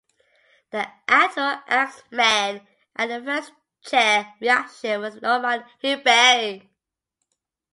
The actual axe man at the first chain-reaction was Norman Hilberry.